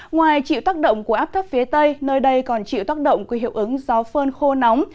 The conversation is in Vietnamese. ngoài chịu tác động của áp thấp phía tây nơi đây còn chịu tác động của hiệu ứng gió phơn khô nóng